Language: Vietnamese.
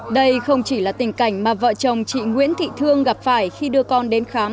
đây không chỉ là tình cảnh mà vợ chồng chị nguyễn thị thương gặp phải khi đưa con đến khám